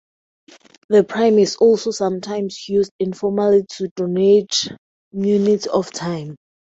The prime is also sometimes used informally to denote minutes of time.